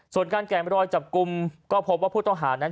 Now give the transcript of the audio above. ส่วนการแก่มรอยจับกลุ่มก็พบว่าผู้ต้องหานั้น